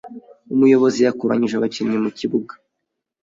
Umuyobozi yakoranyije abakinnyi mukibuga.